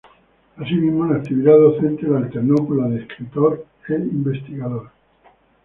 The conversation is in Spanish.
Asimismo, la actividad docente la alternó con la de escritor e investigador.